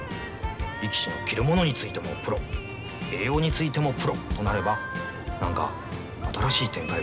力士の着るものについてもプロ栄養についてもプロとなれば何か新しい展開があるかもしれないぞ。